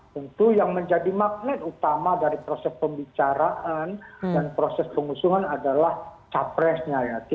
tentu yang menjadi magnet utama dari proses pembicaraan dan proses pengusungan adalah capresnya ya